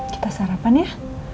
kita sarapan ya